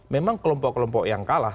memang kelompok kelompok yang kalah